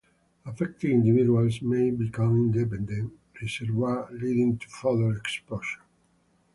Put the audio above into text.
Affected individuals may become independent reservoirs leading to further exposures.